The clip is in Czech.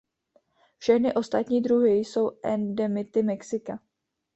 Všechny ostatní druhy jsou endemity Mexika.